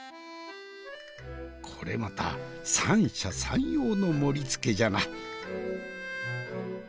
これまた三者三様の盛りつけじゃな。